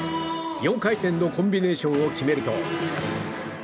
４回転のコンビネーションを決めると。